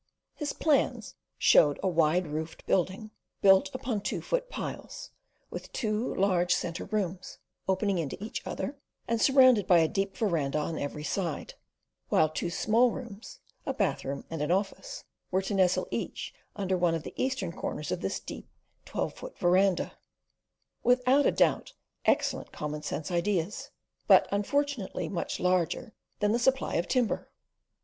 His plans showed a wide roofed building, built upon two foot piles, with two large centre rooms opening into each other and surrounded by a deep verandah on every side; while two small rooms, a bathroom and an office, were to nestle each under one of the eastern corners of this deep twelve foot verandah. Without a doubt excellent common sense ideas; but, unfortunately, much larger than the supply of timber.